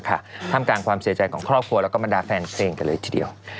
ท่ามกลางความเสียใจของครอบครัวแล้วก็บรรดาแฟนเพลงกันเลยทีเดียว